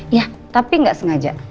iya tapi gak sengaja